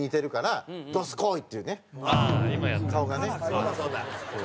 そうだそうだ。